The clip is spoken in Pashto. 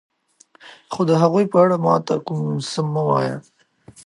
خو د هغوی په اړه ما ته کوم څه مه وایه.